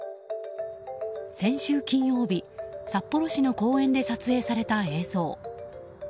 先週金曜日札幌市の公園で撮影された映像。